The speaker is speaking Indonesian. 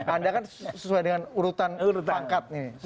anda kan sesuai dengan urutan pangkat ini